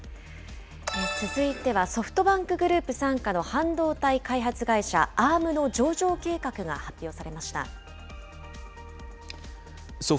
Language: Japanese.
続いてはソフトバンクグループ傘下の半導体開発会社、Ａｒｍの上場計画が発表されました。